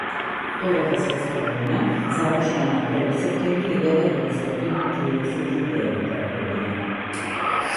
Втората светска војна започна на први септември илјада деветстотини триесет и деветта година.